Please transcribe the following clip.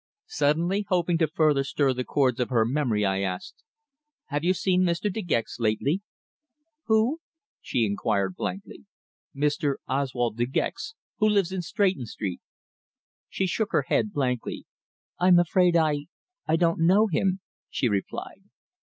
Suddenly, hoping to further stir the chords of her memory, I asked: "Have you seen Mr. De Gex lately?" "Who?" she inquired blankly. "Mr. Oswald De Gex who lives in Stretton Street." She shook her head blankly. "I'm afraid I I don't know him," she replied.